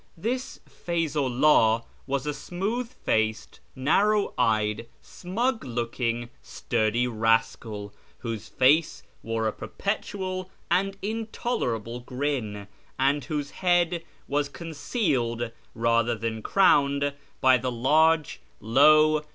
This Feyzu 'llah was a smooth faced, narrow eyed, smug looking, sturdy rascal, whose face wore a perpetual and intolerable grin, and whose head was concealed rather than crowned by the large, low.